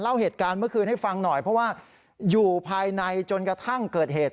เล่าเหตุการณ์เมื่อคืนให้ฟังหน่อยเพราะว่าอยู่ภายในจนกระทั่งเกิดเหตุ